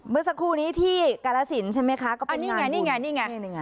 เมื่อสักครู่นี้ที่กาลสินใช่ไหมคะก็เป็นนี่ไงนี่ไงนี่ไง